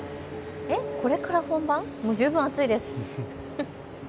これから本番、十分暑いです。